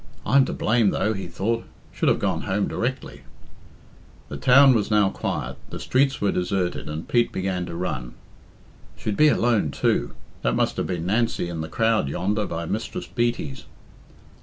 "I'm to blame, though," he thought. "Should have gone home directly." The town was now quiet, the streets were deserted, and Pete began to run. "She'd be alone, too. That must have been Nancy in the crowd yonder by Mistress Beatty's.